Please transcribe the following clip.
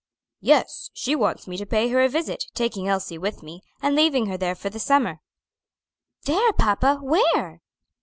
"Yes; she wants me to pay her a visit, taking Elsie with me, and leaving her there for the summer." "There, papa! where?"